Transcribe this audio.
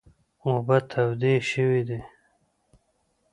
اوبه تودې شوي دي .